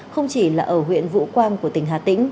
không chỉ là ở huyện vũ quang của tỉnh hà tĩnh